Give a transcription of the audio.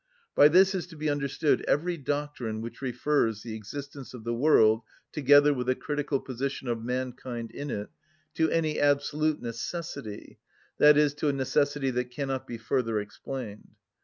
By this is to be understood every doctrine which refers the existence of the world, together with the critical position of mankind in it, to any absolute necessity, i.e., to a necessity that cannot be further explained.